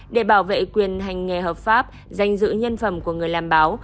để bảo vệ quyền hành nghề hợp pháp danh dự nhân phẩm của người làm báo